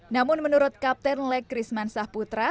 namun menurut kapten lek risman sahputra